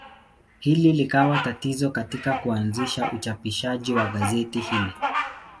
Hili likawa tatizo katika kuanzisha uchapishaji wa gazeti hili.